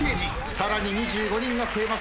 さらに２５人が増えます。